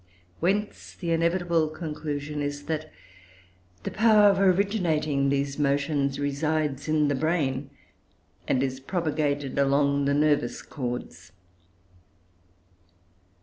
Whence the inevitable conclusion is, that the power of originating these motions resides in the brain and is propagated along the nervous cords.